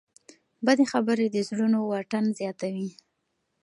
بدې خبرې د زړونو واټن زیاتوي.